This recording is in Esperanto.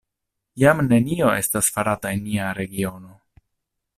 Jam nenio estas farata en mia regiono!